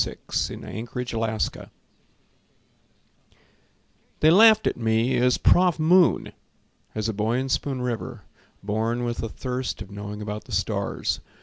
Alfonso Churchill They laughed at me as "Prof. Moon," As a boy in Spoon River, born with the thirst Of knowing about the stars.